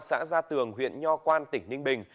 xã gia tường huyện nho quan tỉnh ninh bình